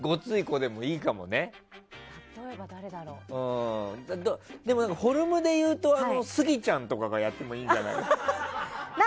でも、フォルムでいうとスギちゃんとかがやってもいいかなって。